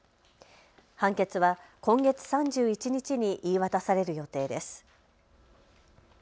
判決は今月３１日に言い渡される予定です。